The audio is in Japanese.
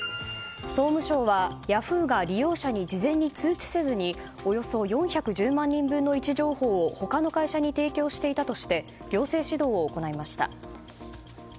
総務省はヤフーが利用者に事前に通知せずにおよそ４１０万人分の位置情報を他の会社に提供していたとして行政指導を行いました。